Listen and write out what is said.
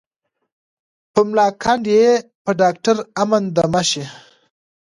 په ملاکنډ یې په ډاکټر امن دمه شي.